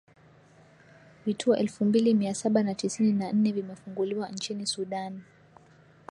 vituo elfu mbili mia saba na tisini na nne vimefunguliwa nchini sudan